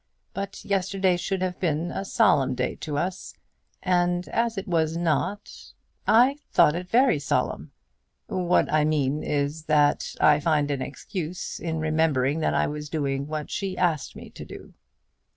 But yesterday should have been a solemn day to us; and as it was not " "I thought it very solemn." "What I mean is that I find an excuse in remembering that I was doing what she asked me to do."